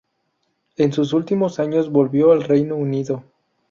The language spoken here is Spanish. En sus últimos años volvió al Reino Unido.